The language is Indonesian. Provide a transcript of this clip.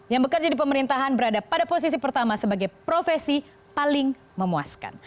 yang bekerja di pemerintahan berada pada posisi pertama sebagai profesi paling memuaskan